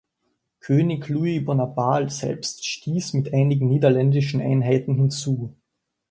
König Louis Bonaparte selbst stieß mit einigen niederländischen Einheiten hinzu.